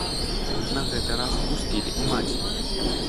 На гэты раз пусцілі і маці.